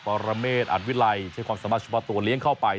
ปรเมฆอัดวิลัยใช้ความสามารถเฉพาะตัวเลี้ยงเข้าไป